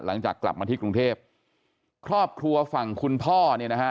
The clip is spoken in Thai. หลังจากกลับมาที่กรุงเทพครอบครัวฝั่งคุณพ่อเนี่ยนะฮะ